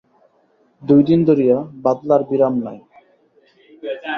দুই দিন ধরিয়া বাদলার বিরাম নাই।